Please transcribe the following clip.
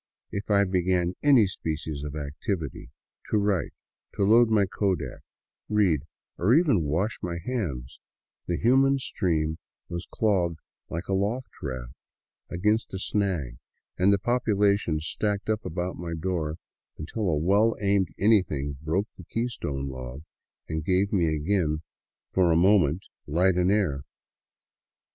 If I began any species of activity, — to write, load my kodak, read, or even to wash my hands, the human stream was clogged like a log raft against a snag and the population stacked up about my door until a well aimed anything broke the keystone log, and gave me again for a moment light and air.